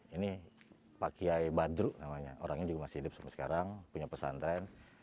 ini pak kiai badru namanya orangnya juga masih hidup sampai sekarang punya pesantren